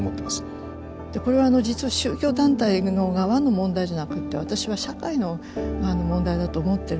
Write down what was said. でこれは実は宗教団体の側の問題じゃなくて私は社会の問題だと思ってるんです。